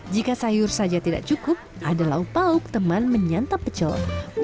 jika sayur saja tidak cukup ada lauk pauk teman menyantap pecel